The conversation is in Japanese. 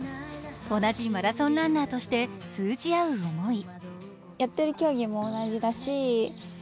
同じマラソンランナーとして通じ合う思い。